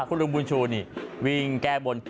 คุณลุงบุญชูนี่วิ่งแก้บน